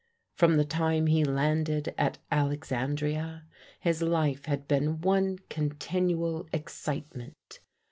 From the time he landed at Alexandria, his life had been one continual excitement.